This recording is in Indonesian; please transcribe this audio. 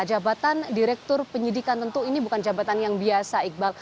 jabatan direktur penyidikan tentu ini bukan jabatan yang biasa iqbal